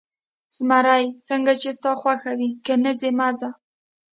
زمري: څنګه چې ستا خوښه وي، که نه ځې، مه ځه.